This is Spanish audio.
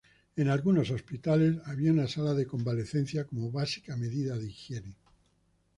En algunos hospitales había una sala de convalecencia, como básica medida de higiene.